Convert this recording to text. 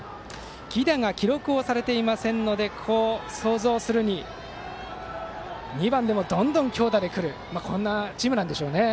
犠打が記録をされていませんので想像するに２番でも、どんどん強打で来るチームなんでしょうね。